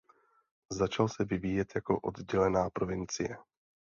Začal se vyvíjet jako oddělená provincie.